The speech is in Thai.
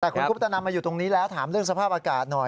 แต่คุณคุปตนามาอยู่ตรงนี้แล้วถามเรื่องสภาพอากาศหน่อย